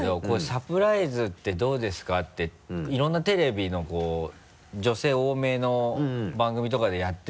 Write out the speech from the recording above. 「サプライズってどうですか？」っていろんなテレビの女性多めの番組とかでやってるのに。